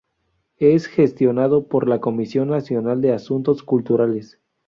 Es gestionado por la Comisión Nacional de Asuntos Culturales.